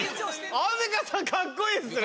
アンミカさんカッコいいっすね。